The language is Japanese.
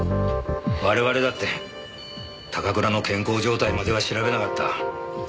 我々だって高倉の健康状態までは調べなかった。